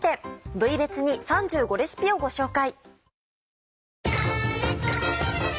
部位別に３５レシピをご紹介。